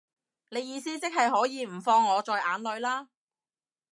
你意思即係可以唔放我在眼內啦